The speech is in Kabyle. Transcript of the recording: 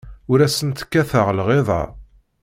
Ur asent-kkateɣ lɣiḍa.